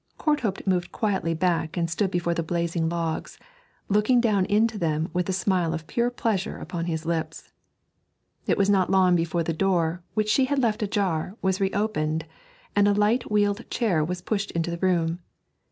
Courthope moved quietly back and stood before the blazing logs, looking down into them with a smile of pure pleasure upon his lips. It was not long before the door, which she had left ajar, was re opened, and a light wheeled chair was pushed into the room.